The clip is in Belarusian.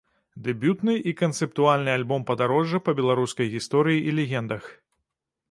Дэбютны і канцэптуальны альбом-падарожжа па беларускай гісторыі і легендах.